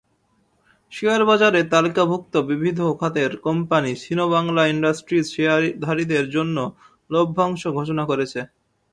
শেয়ারবাজারে তালিকাভুক্ত বিবিধ খাতের কোম্পানি সিনোবাংলা ইন্ডাস্ট্রিজ শেয়ারধারীদের জন্য লভ্যাংশ ঘোষণা করেছে।